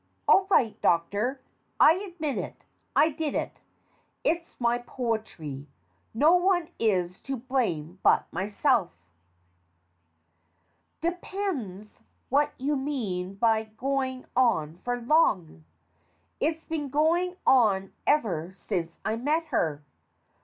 All right, Doctor. I admit it. I did it. It's my poetry. No one is to blame but myself. Depends what you mean by "going on for long." It's been going on ever since I met her.